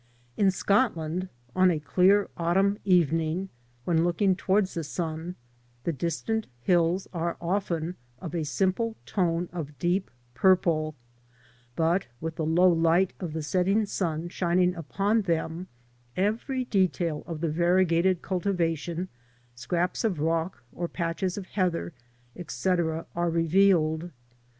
In Scotland, on a clear autumn evening, when looking towards the sun, the distant hills are often of a simple tone of deep purple ; but with the low light of the setting sun shining upon them, every detail of the variegated cultivation, scraps of rock or patches of heather, etc, are revealed.